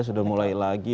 sudah mulai lagi